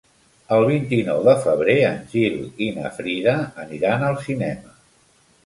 El vint-i-nou de febrer en Gil i na Frida aniran al cinema.